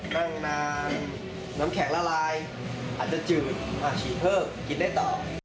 นั่งนานน้ำแข็งละลายอาจจะจืดฉีดเพิ่มกินได้ต่อ